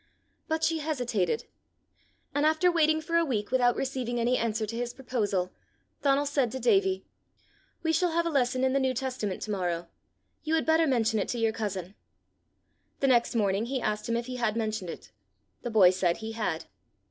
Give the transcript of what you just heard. But she hesitated; and after waiting for a week without receiving any answer to his proposal, Donal said to Davie, "We shall have a lesson in the New Testament to morrow: you had better mention it to your cousin." The next morning he asked him if he had mentioned it. The boy said he had.